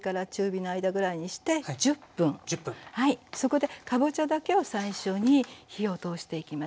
そこでかぼちゃだけを最初に火を通していきます。